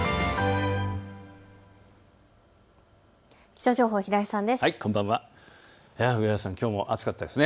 気象情報、平井さんです。